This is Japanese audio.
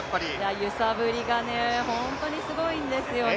揺さぶりが本当にすごいんですよね